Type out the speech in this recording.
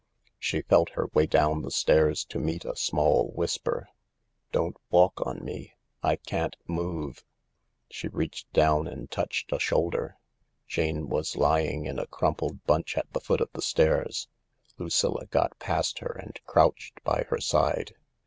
She felt her way down the stairs to meet a small whisper. "Don't walk on me — I can't move." She reached down and touched a shoulder. Jane was lying in a crumpled bunch at the foot of the stairs. Lucilla got past her and crouched by her side.